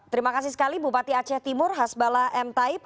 terima kasih sekali bupati aceh timur hasbala m taib